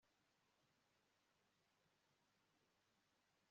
akabona tembi na tor nka sentinel kumuryango. birakaze kandi